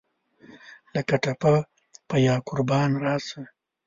لکه ټپه پۀ یاقربان راسه !